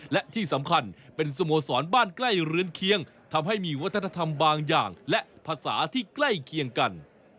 และที่สำคัญเป็นสโมสรบ้านใกล้เรือนเคียงทำให้มีวัฒนธรรมบางอย่างและภาษาที่ใกล้เคียงกัน